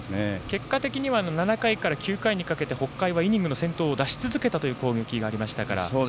結果的には７回から９回にかけて北海高校はイニングの先頭を出し続けた攻撃がありましたから。